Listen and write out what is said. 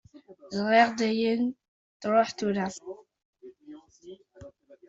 Ẓriɣ dayen truḥ tura.